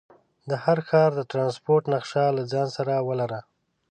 د هر ښار د ټرانسپورټ نقشه له ځان سره ولره.